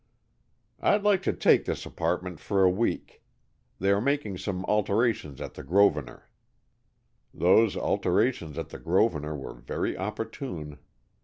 "I'd like to take this apartment for a week. They are making some alterations at the Grosvenor" (those alterations at the Grosvenor were very opportune!)